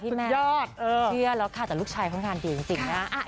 แม่ยอดเชื่อแล้วค่ะแต่ลูกชายเขางานดีจริงนะ